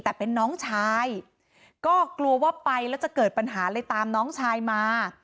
แต่เป็นน้องชายก็กลัวว่าไปแล้วจะเกิดปัญหาเลยตามน้องชายมา